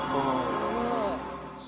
すごいね。